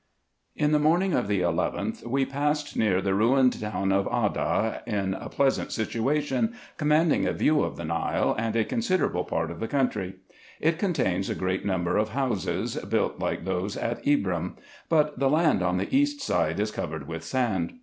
In the morning of the 11th, we passed near the ruined town of Adda, in a pleasant situation, commanding a view of the Nile, and a considerable part of the country. It contains a great number of houses, built like those at Ibrim ; but the land on the east side is covered with sand.